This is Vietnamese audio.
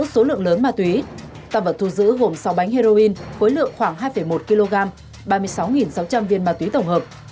số lượng lớn ma túy tăng vật thu giữ gồm sáu bánh heroin khối lượng khoảng hai một kg ba mươi sáu sáu trăm linh viên ma túy tổng hợp